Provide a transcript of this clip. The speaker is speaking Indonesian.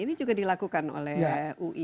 ini juga dilakukan oleh ui